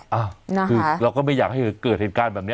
คือเราก็ไม่อยากให้เกิดเหตุการณ์แบบนี้